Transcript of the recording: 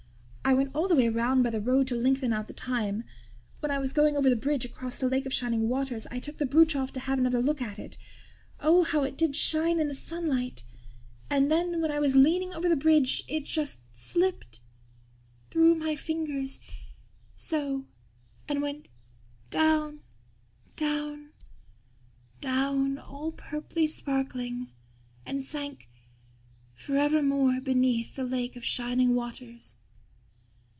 I went all the way around by the road to lengthen out the time. When I was going over the bridge across the Lake of Shining Waters I took the brooch off to have another look at it. Oh, how it did shine in the sunlight! And then, when I was leaning over the bridge, it just slipped through my fingers so and went down down down, all purply sparkling, and sank forevermore beneath the Lake of Shining Waters.